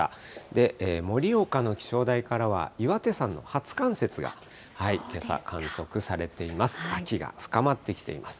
で、盛岡の気象台からは、岩手山の初冠雪がけさ観測されています。